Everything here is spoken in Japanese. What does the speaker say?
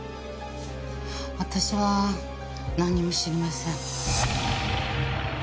私はなんにも知りません。